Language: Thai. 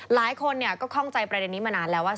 หลายคนก็คล่องใจประเด็นนี้มานานแล้วว่า